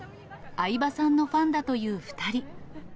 相葉さんのファンだという２人。